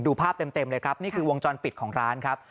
ภาพเต็มเลยครับนี่คือวงจรปิดของร้านครับ